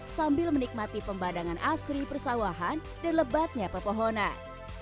sambil menikmati pembadangan asri persawahan dan lebatnya pepohonan